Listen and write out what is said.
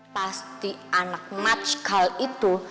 pasti anak matchkal itu